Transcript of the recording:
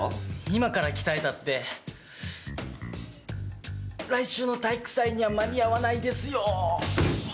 今から鍛えたって来週の体育祭には間に合わないですよ。